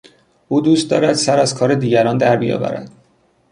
او دوست دارد سر از کار دیگران در بیاورد.